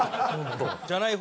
じゃない方